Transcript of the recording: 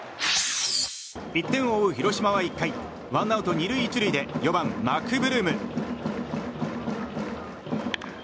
１点を追う広島は１回ワンアウト２塁１塁で４番、マクブルーム。